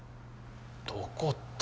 どこって。